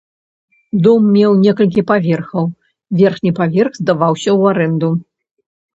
Дом меў некалькі паверхаў, верхні паверх здаваўся ў арэнду.